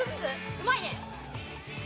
うまいね。